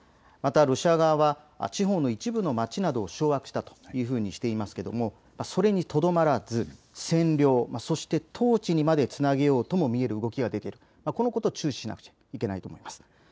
またロシア側は地方の一部の町などを掌握したというふうにしていますがそれにとどまらず占領そして統治にまでつなげようとも見える動きが出ている、このことを注視しなければいけないと思います。